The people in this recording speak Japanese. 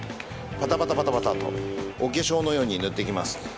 パタパタパタパタとお化粧のように塗っていきます。